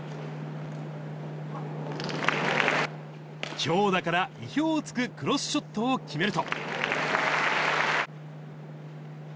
強打から意表をつくクロスショットを決めると。